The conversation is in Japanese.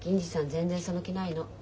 全然その気ないの。